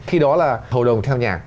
khi đó là hầu đồng theo nhạc